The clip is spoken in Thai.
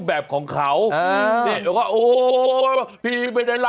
สกิดยิ้ม